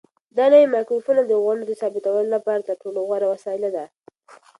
دا نوی مایکروفون د غونډو د ثبتولو لپاره تر ټولو غوره وسیله ده.